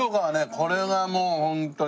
これがもうホントに。